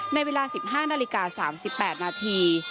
ในเวลา๑๕นาฬิกา๓๘นาที